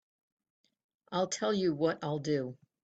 I'll tell you what I'll do.